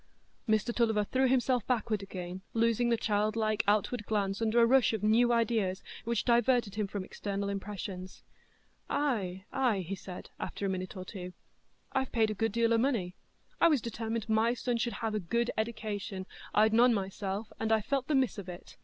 Mr Tulliver threw himself backward again, losing the childlike outward glance under a rush of new ideas, which diverted him from external impressions. "Ay, ay," he said, after a minute or two, "I've paid a deal o' money—I was determined my son should have a good eddication; I'd none myself, and I've felt the miss of it.